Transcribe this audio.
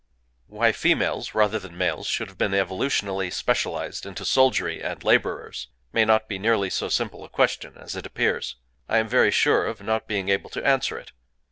[Why females, rather than males, should have been evolutionally specialized into soldiery and laborers may not be nearly so simple a question as it appears. I am very sure of not being able to answer it.